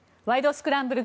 スクランブル」